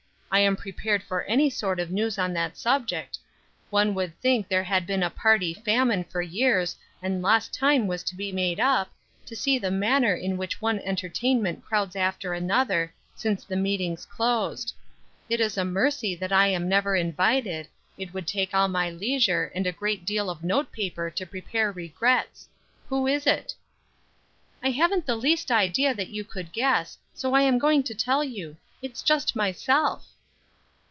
I am prepared for any sort of news on that subject; one would think there had been a party famine for years, and lost time was to be made up, to see the manner in which one entertainment crowds after another, since the meetings closed. It is a mercy that I am never invited, it would take all my leisure, and a great deal of note paper to prepare regrets. Who is it?" "I haven't the least idea that you could guess, so I am going to tell you; it's just myself."